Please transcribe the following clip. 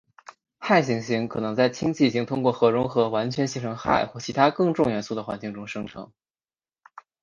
氦行星可能在氢已经通过核融合完全形成氦或其它更重元素的环境中生成。